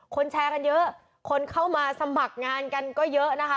แชร์กันเยอะคนเข้ามาสมัครงานกันก็เยอะนะคะ